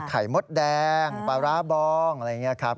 มดแดงปลาร้าบองอะไรอย่างนี้ครับ